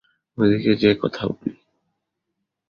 ওদিকে যেয়ে কথা বলি?